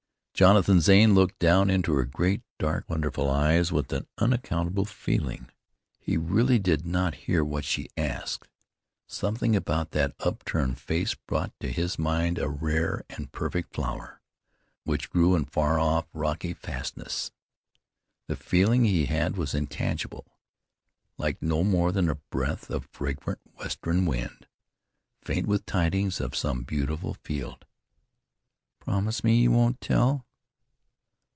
Jonathan Zane looked down into her great, dark, wonderful eyes with an unaccountable feeling. He really did not hear what she asked. Something about that upturned face brought to his mind a rare and perfect flower which grew in far off rocky fastnesses. The feeling he had was intangible, like no more than a breath of fragrant western wind, faint with tidings of some beautiful field. "Promise me you won't tell."